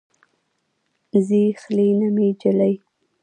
ځي خلې نه مې جلۍ